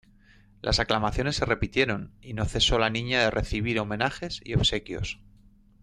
Las aclamaciones se repitieron, y no cesó la niña de recibir homenajes y obsequios.